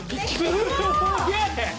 すげえ！